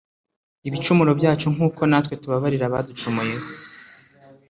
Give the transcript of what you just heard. ibicumuro byacu, nk’uko natwe tubabarira abaducumuyeho